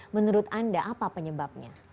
menurut anda apa penyebabnya